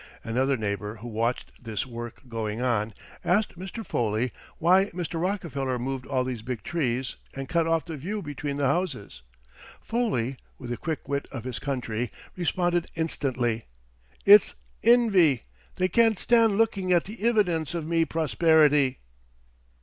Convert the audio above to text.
Another neighbour who watched this work going on asked Mr. Foley why Mr. Rockefeller moved all these big trees and cut off the view between the houses. Foley, with the quick wit of his country, responded instantly: "It's invy, they can't stand looking at the ividence of me prosperity."